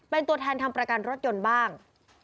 เป็นตัวแทนทำประกันรถยนต์บ้าง